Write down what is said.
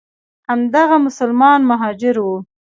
همدغه مسلمان مهاجر وو.